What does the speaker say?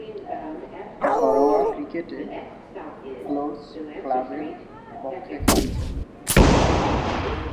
ঘরোয়া ক্রিকেটে কোল্টস ক্লাবের পক্ষে খেলছেন।